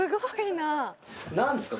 何ですか？